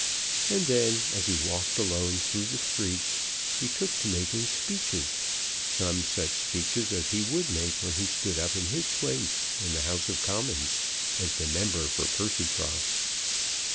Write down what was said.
And then, as he walked alone through the streets, he took to making speeches, some such speeches as he would make when he stood up in his place in the House of Commons as the member for Percycross.